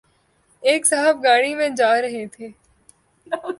ایک صاحب گاڑی میں جارہے تھے